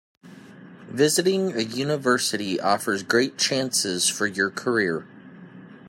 Visiting a university offers great chances for your career.